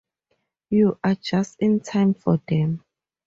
You are just in time for them.